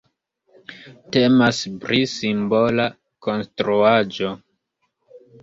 Temas pri simbola konstruaĵo.